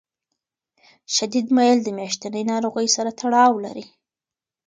شدید میل د میاشتنۍ ناروغۍ سره تړاو لري.